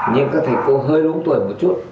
nhưng các thầy cô hơi đúng tuổi một chút